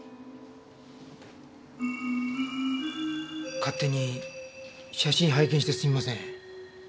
勝手に写真拝見してすみません。